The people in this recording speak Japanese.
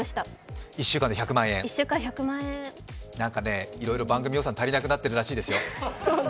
１週間１００万円、いろいろ番組予算足りなくなってるみたいですよ。